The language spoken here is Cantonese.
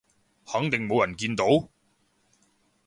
肯定冇人見到？